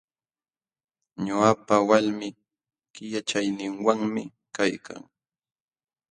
Ñuqapa walmi killachayninwanmi kaykan.